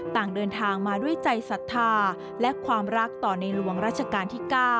ต่างเดินทางมาด้วยใจศรัทธาและความรักต่อในหลวงราชการที่๙